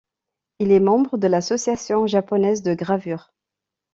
Il est membre de l'Association Japonaise de Gravure.